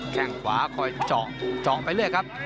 แข่งขวาคอยจอกจอกไปเรื่อยครับ